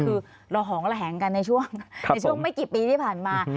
คือระหองระแหงกันในช่วงในช่วงไม่กี่ปีที่ผ่านมา